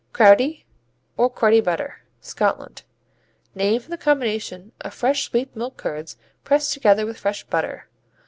Crowdie, or Cruddy butter Scotland Named from the combination of fresh sweet milk curds pressed together with fresh butter.